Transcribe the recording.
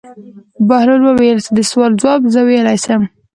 بهلول وویل: ستا د سوال ځواب زه ویلای شم.